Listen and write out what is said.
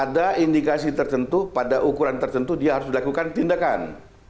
ada indikasi tertentu pada ukuran tertentu dia harus dilakukan tindakan